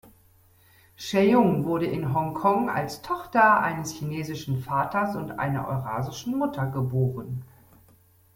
Cheung wurde in Hongkong als Tochter eines chinesischen Vaters und einer eurasischen Mutter geboren.